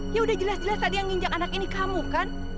yaudah jelas jelas tadi yang nginjek anak ini kamu kan